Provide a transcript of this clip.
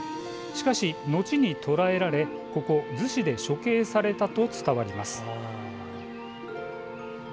しかし、後に捕らえられここ逗子で処刑されたと伝わります。